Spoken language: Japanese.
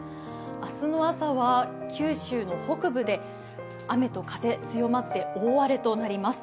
明日の朝は九州の北部で雨と風、強まって大荒れとなります。